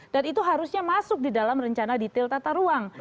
dan itu harusnya masuk di dalam rencana detail tata ruang